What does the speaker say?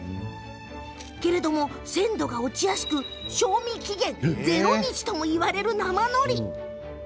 けれども、鮮度が落ちやすく賞味期限０日ともいわれる生のり。